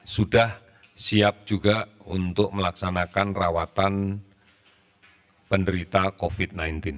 sudah siap juga untuk melaksanakan rawatan penderita covid sembilan belas